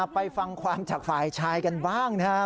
ไปฟังความจากฝ่ายชายกันบ้างนะครับ